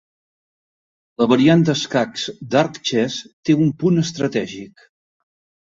La variant d'escacs Dark chess té un punt estratègic.